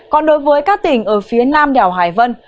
còn đối với các tỉnh ở phía nam đảo hải vân